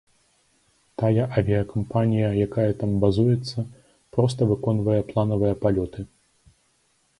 Тая авіякампанія, якая там базуецца, проста выконвае планавыя палёты.